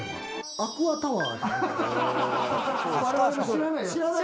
アクアタワー。